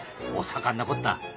お盛んなこった。